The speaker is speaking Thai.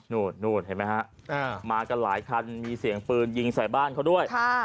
นู่นเห็นไหมฮะมากันหลายคันมีเสียงปืนยิงใส่บ้านเขาด้วย